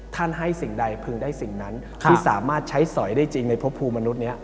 ท่านให้สิ่งใดพึงได้สิ่งนั้นที่สามารถใช้สอยได้จริงในพระภูมิมนุษย์นี้